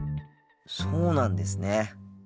そうなんですね。